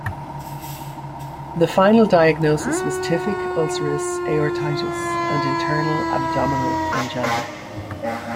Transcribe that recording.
The final diagnosis was "typhic ulcerous aortitis and internal abdominal angina".